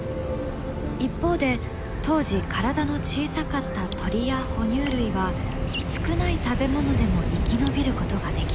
一方で当時体の小さかった鳥や哺乳類は少ない食べ物でも生き延びることができた。